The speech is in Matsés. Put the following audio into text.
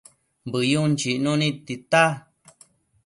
Bëyun chicnu nid tita